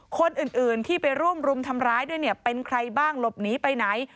คนอื่นที่ไปร่วมรุมทำร้ายด้วยเนี่ยเป็นใครบ้างหลบหนีไปไหน